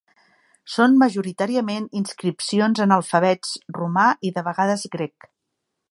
Són majoritàriament inscripcions en alfabets romà i de vegades grec.